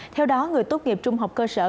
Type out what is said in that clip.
theo đó người tốt nghiệp trung học cơ sở